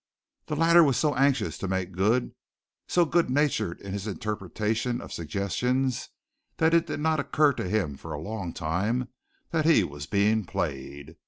The latter was so anxious to make good, so good natured in his interpretation of suggestions, that it did not occur to him, for a long time, that he was being played.